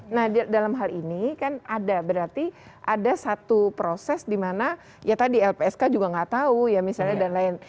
nah dalam hal ini kan ada berarti ada satu proses di mana ya tadi lpsk juga nggak tahu ya misalnya dan lain